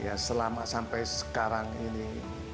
ya selama sampai sekarang ini